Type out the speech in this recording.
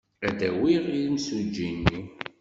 Ad d-awiɣ imsujji-nni.